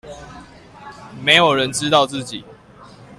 沒有人知道自己